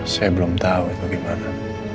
saya belum tau itu gimana